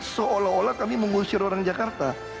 seolah olah kami mengusir orang jakarta